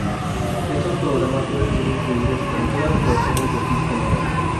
Estos programas pueden ser incluidos en todas las versiones del disco nuevo.